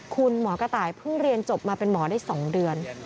คุณหมอกระต่ายเพิ่งเรียนจบมาเป็นหมอได้๒เดือน